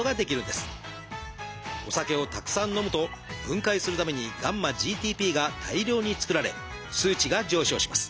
お酒をたくさん飲むと分解するためにγ−ＧＴＰが大量に作られ数値が上昇します。